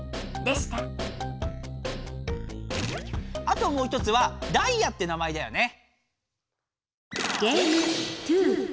あともうひとつはダイヤって名前だよね。